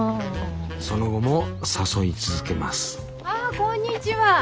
その後も誘い続けますあこんにちは。